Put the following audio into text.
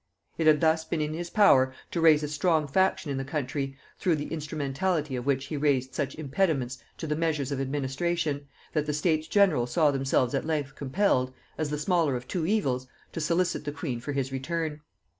It had thus been in his power to raise a strong faction in the country, through the instrumentality of which he raised such impediments to the measures of administration, that the States general saw themselves at length compelled, as the smaller of two evils, to solicit the queen for his return.